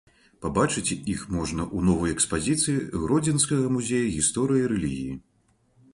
Пабачыць іх можна ў новай экспазіцыі гродзенскага музея гісторыі рэлігіі.